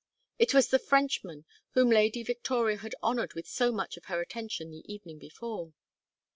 It was the Frenchman whom Lady Victoria had honored with so much of her attention the evening before.